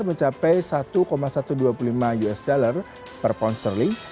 mencapai satu satu ratus dua puluh lima usd per pound sterling